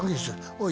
「おい！